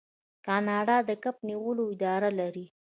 کاناډا د کب نیولو اداره لري.